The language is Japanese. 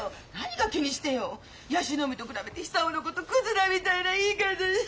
椰子の海と比べて久男のことクズだみたいな言い方して。